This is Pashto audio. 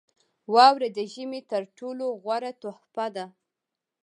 • واوره د ژمي تر ټولو غوره تحفه ده.